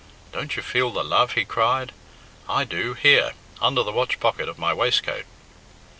"Don't you feel the love?" he cried. "I do here, under the watch pocket of my waistcoat."